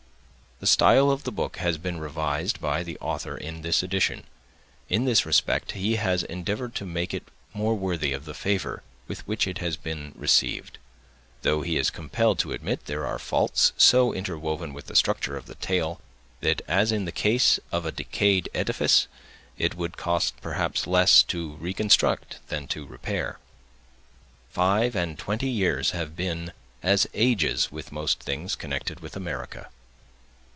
The style of the book has been revised by the author in this edition. In this respect, he has endeavored to make it more worthy of the favor with which it has been received; though he is compelled to admit there are faults so interwoven with the structure of the tale that, as in the case of a decayed edifice, it would cost perhaps less to reconstruct than to repair. Five and twenty years have been as ages with most things connected with America.